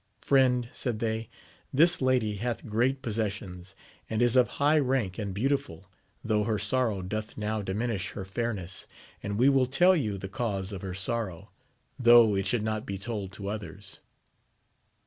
Friend, said they, this lady hath great possessions, and is of high rank and beau tiful, though her sorrow doth now diminish her fair ness, and we will tell you the cause of her sorrow, tho' it should not be told to others.